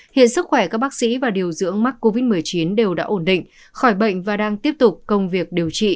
hiện sức khỏe các bác sĩ và điều dưỡng mắc covid một mươi chín đều đã ổn định khỏi bệnh và đang tiếp tục công việc điều trị